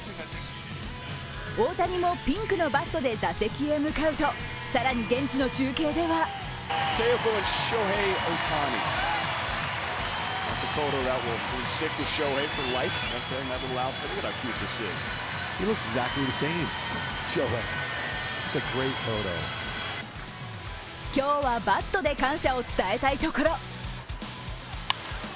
大谷もピンクのバットで打席へ向かうと、更に現地の中継では今日はバットで感謝を伝えたいところ。